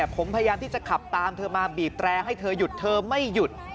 ผมพยายามที่จะขับตามเธอมาบีบแตรให้เธอหยุดเธอไม่หยุด